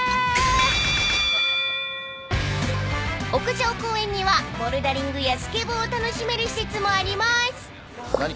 ［屋上公園にはボルダリングやスケボーを楽しめる施設もあります］